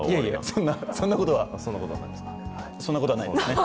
そんなことは、そんなことはないですね。